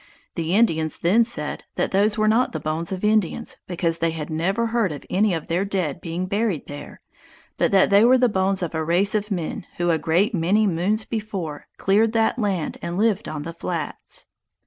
The Indians then said that those were not the bones of Indians, because they had never heard of any of their dead being buried there; but that they were the bones of a race of men who a great many moons before, cleared that land and lived on the flats.